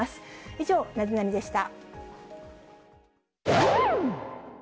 以上、ナゼナニっ？でした。